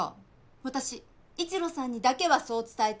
私一路さんにだけはそう伝えてます。